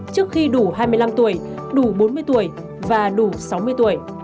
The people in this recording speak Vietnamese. trước khi đủ hai mươi năm tuổi đủ bốn mươi tuổi và đủ sáu mươi tuổi